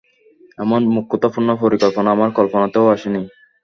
এমন মূর্খতাপূর্ণ পরিকল্পনা আমার কল্পনাতেও আসেনি।